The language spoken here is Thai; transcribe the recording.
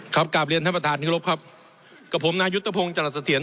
ครับกราบเรียนท่านประธานที่ขอรับครับกับผมนายุตภงศ์จรษฐ์เถียน